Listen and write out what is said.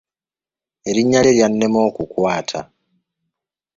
Erinnya lye lyannema okukwata.